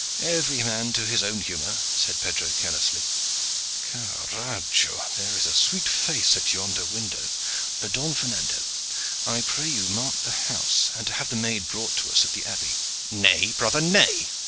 "Every man to his own humor," said Pedro carelessly. "Carajo! there is a sweet face at yonder window! Don Fernando, I pray you to mark the house, and to have the maid brought to us at the abbey." "Nay, brother, nay!"